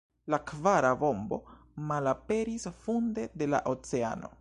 La kvara bombo malaperis funde de la oceano.